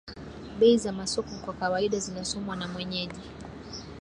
bei za masoko kwa kawaida zinasomwa na mwenyeji